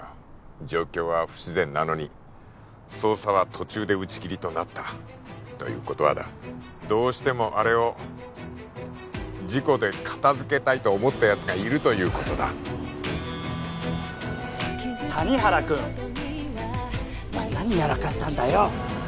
状況は不自然なのに捜査は途中で打ち切りとなったということはだどうしてもあれを事故で片づけたいと思ったやつがいるということだ谷原君お前何やらかしたんだよ